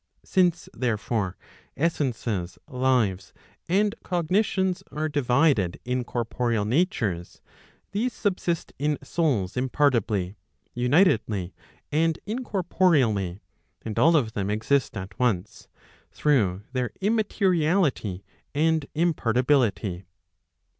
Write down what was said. Sinee, therefore, essences, lives and cognitions are divided in corporeal natures, these subsist in souls impar tibly, unitedly, and incorporeally, and all of them exist at once, through their immateriality and impartiality.